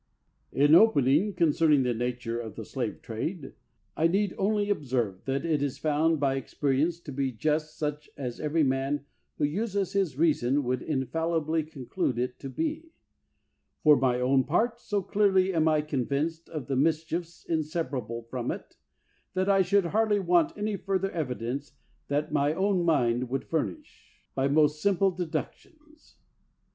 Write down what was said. In opening, concerning the nature of the slave trade, I need only observe that it is found by experience to be just such as every man who uses his reason would infallibly conclude it to be. For my own part, so clearly am I convinced of the mischiefs inseparable from it, that I should hardly want any further evidence thaa my own mind would furnish, by the most simple de ductions.